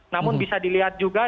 namun bisa dilihat juga